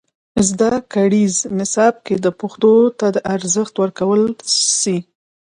زدهکړیز نصاب کې دې پښتو ته ارزښت ورکړل سي.